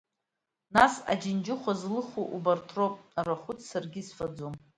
Нас, аџьынџьыҳәа злыху убарҭ роуп, арахәыц саргьы исфаӡом!